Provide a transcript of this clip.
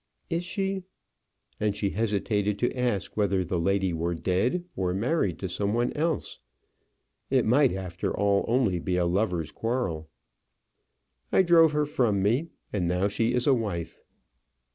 "Is she ?" And she hesitated to ask whether the lady were dead, or married to some one else. It might, after all, only be a lovers' quarrel. "I drove her from me and now she is a wife."